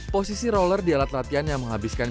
posisi roller di alat latihan yang menghabiskan